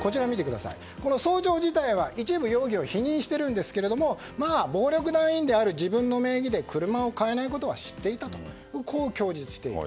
総長自体は、一部容疑を否認しているんですけれども暴力団員である自分の名義で車が買えないことは知っていたと供述している。